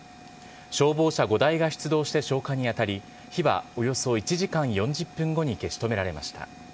消防車５台が出動して消火に当たり、火はおよそ１時間４０分後に消し止められました。